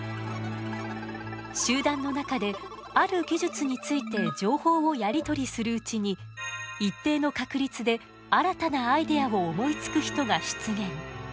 集団の中である技術について情報をやり取りするうちに一定の確率で新たなアイデアを思いつく人が出現。